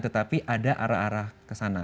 tetapi ada arah arah kesana